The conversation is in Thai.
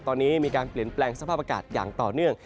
ตอนนี้มีการเปลี่ยนแปลงสภาพอากาศอย่างต่อเนื่อง